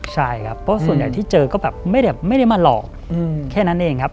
ใช่ครับเพราะส่วนใหญ่ที่เจอก็แบบไม่ได้มาหลอกแค่นั้นเองครับ